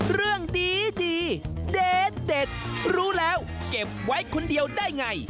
เรื่องดีเด็ดรู้แล้วเก็บไว้คนเดียวได้ไง